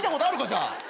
じゃあ。